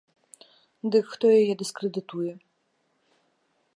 Дык хто яе дыскрэдытуе?